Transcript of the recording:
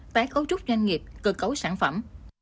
tái cấu trúc doanh nghiệp cơ cấu sản phẩm